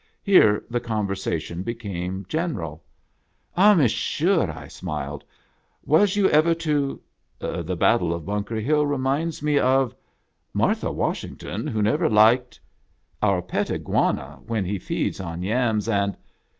Here the conversation became general. "Ah, Monsieur," I smiled, "was you ever to ...." "The battle of Bunker Hill reminds me of ...."" Martha Washington, who never liked ...."" Our pet Iguana, when he feeds on yams and